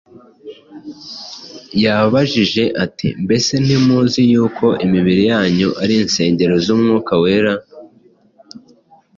Yarabajije ati: “Mbese ntimuzi yuko imibiri yanyu ari insengero z’Umwuka Wera,